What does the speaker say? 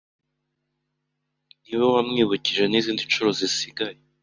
ni we wamwibukije n’izindi nshuro zisigaye